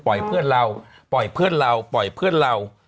เพื่อนเราปล่อยเพื่อนเราปล่อยเพื่อนเรา